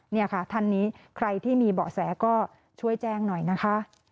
นี่ค่ะท่านนี้ใครที่มีเบาะแสก็ช่วยแจ้งหน่อยนะคะ